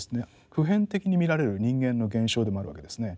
普遍的に見られる人間の現象でもあるわけですね。